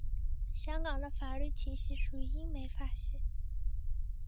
香港的法律体系属于英美法系。